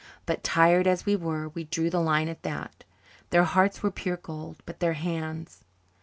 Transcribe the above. But, tired as we were, we drew the line at that. Their hearts were pure gold, but their hands!